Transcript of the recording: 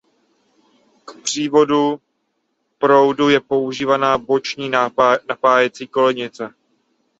K přívodu proudu je používána boční napájecí kolejnice.